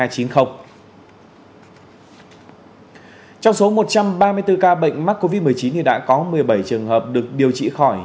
trong số một trăm ba mươi bốn ca bệnh mắc covid một mươi chín đã có một mươi bảy trường hợp được điều trị khỏi